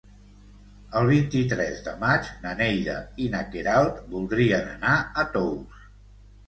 El vint-i-tres de maig na Neida i na Queralt voldrien anar a Tous.